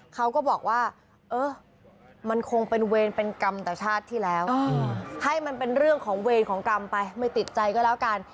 เขาก็บอกว่าเออมันคงเป็นเวรเป็นกรรมแต่ชาติที่แล้วให้มันเป็นเรื่องของเวรของกรรมไปไม่ติดใจก็แล้วกัน